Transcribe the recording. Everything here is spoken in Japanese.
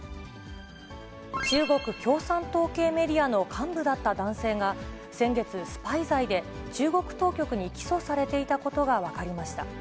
中国共産党系メディアの幹部だった男性が、先月スパイ罪で中国当局に起訴されていたことが分かりました。